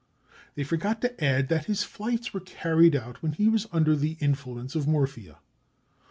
They forget to add that his flights were carried out when he was under the influence of morphia.